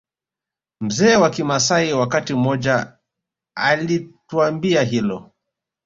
Mzee wa kimaasai wakati mmoja alituambia hilo